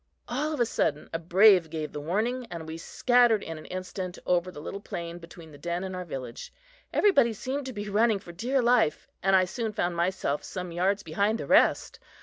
All of a sudden, a brave gave the warning, and we scattered in an instant over the little plain between the den and our village. Everybody seemed to be running for dear life, and I soon found myself some yards behind the rest.